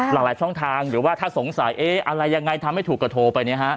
หลายช่องทางหรือว่าถ้าสงสัยอะไรยังไงทำไม่ถูกก็โทรไป